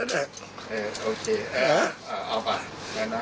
เออโอเคเออเอาป่ะ